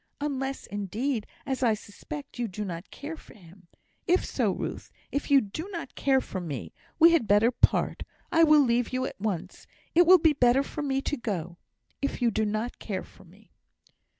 Unless, indeed, as I suspect, you do not care for him. If so, Ruth! if you do not care for me, we had better part I will leave you at once; it will be better for me to go, if you do not care for me."